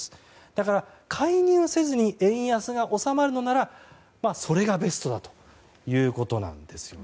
だから介入せずに円安が収まるならそれがベストだということです。